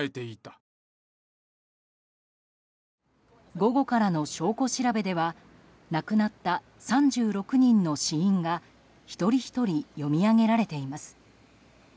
午後からの証拠調べでは亡くなった３６人の死因が一人ひとり読み上げられています。